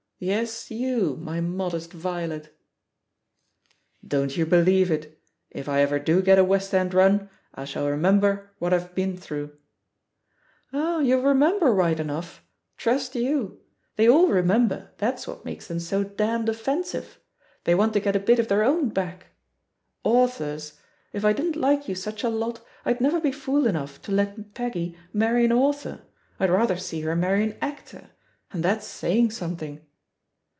Yes, you, my modest violet I" "Don't you believe it. If I ever do get a West End run, I shall remember what I've been through." "Oh, you'll remember right enough. Trust you I They all remember, that's what makes them so damned ofi^ensive — ^they want to get a bit of their own back. Authors? If I didn't like you such a lot, I'd never be fool enough to let Peggy marry an author, I'd rather see her marry an actor — ^and that's saying something.